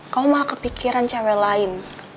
kau malah kepikiran cewek lain